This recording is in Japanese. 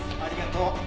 ありがとう。